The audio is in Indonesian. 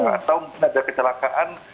atau mungkin ada kecelakaan